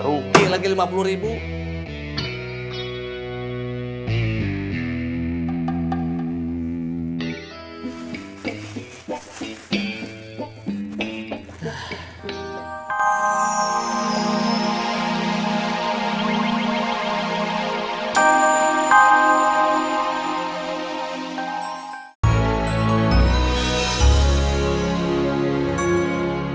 kum pake bensinnya habis bensinnya